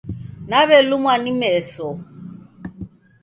Nawelumwa ni meso